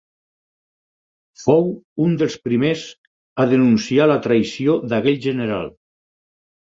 Fou un dels primers a denunciar la traïció d'aquell general.